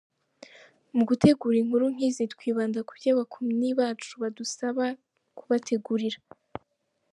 Mu gutegura inkuru nk’izi twibanda kubyo abakuni bacu badusaba kubategurira.